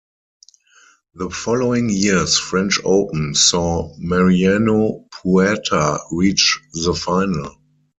The following year's French Open saw Mariano Puerta reach the final.